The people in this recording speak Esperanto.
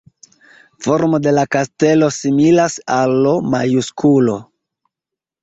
Formo de la kastelo similas al L-majusklo.